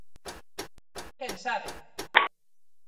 Quen sabe!